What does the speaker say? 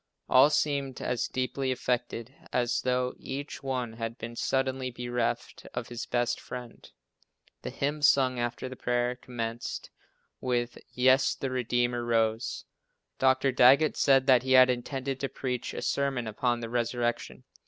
All seemed as deeply affected as though each one had been suddenly bereft of his best friend. The hymn sung after the prayer, commenced with "Yes, the Redeemer rose." Dr. Daggett said that he had intended to preach a sermon upon the resurrection.